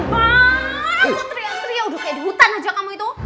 wah teriak teriak udah kayak di hutan aja kamu itu